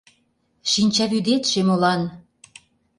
Шинчавӱдетше молан?..